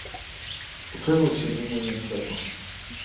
Утойваць, я думаю, не трэба.